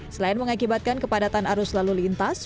selain mengakibatkan kepadatan arus lalu lintas